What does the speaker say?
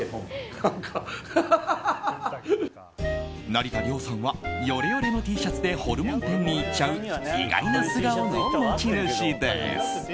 成田凌さんはよれよれのＴシャツでホルモン店に行っちゃう意外な素顔の持ち主です。